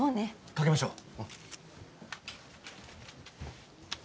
かけましょう。